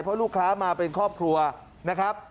เพราะลูกค้ามาเป็นครอบครัวนะครับ